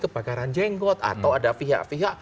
kebakaran jenggot atau ada pihak pihak